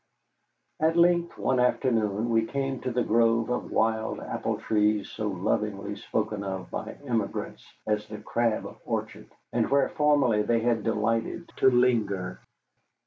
At length, one afternoon, we came to the grove of wild apple trees so lovingly spoken of by emigrants as the Crab Orchard, and where formerly they had delighted to linger.